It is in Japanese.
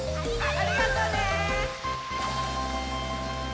ありがとね！